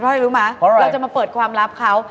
เพราะอะไรรู้ไหมเราจะมาเปิดความลับเขา